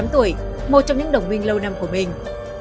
sáu tám tuổi một trong những đồng minh lâu năm của mình